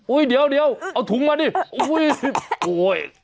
อุ๊ยเดี๋ยวเอาถุงมานี่โอ้โฮ